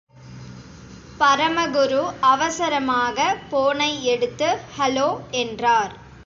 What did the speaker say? பரமகுரு அவசரமாக போனை எடுத்து ஹலோ! என்றார்.